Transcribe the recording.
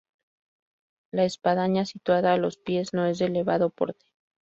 La espadaña, situada a los pies, no es de elevado porte.